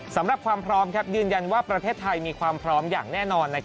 สำหรับความพร้อมยืนยันว่าประเทศไทยมีความพร้อมอย่างแน่นอน